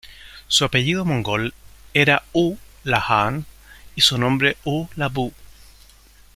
Su apellido mongol era U La Han, y su nombre U La Bu.